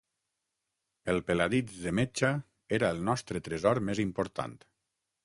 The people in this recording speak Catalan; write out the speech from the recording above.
El peladits de metxa era el nostre tresor més important